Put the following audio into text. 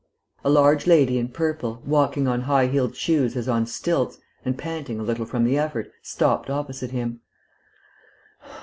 A large lady in purple, walking on high heeled shoes as on stilts, and panting a little from the effort, stopped opposite him.